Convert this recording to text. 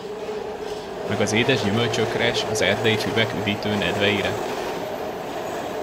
Meg az édes gyümölcsökre s az erdei füvek üdítő nedveire?